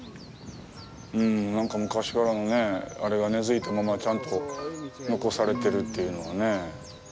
なんか昔からのあれが根づいたままちゃんと残されてるっていうのはね。